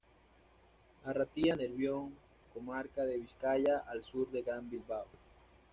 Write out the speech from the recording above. Arratia-Nervión: comarca de Vizcaya al sur del Gran Bilbao.